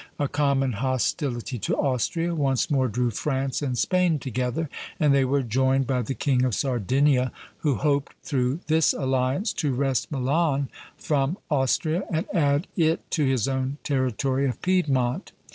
A common hostility to Austria once more drew France and Spain together, and they were joined by the King of Sardinia, who hoped through this alliance to wrest Milan from Austria and add it to his own territory of Piedmont.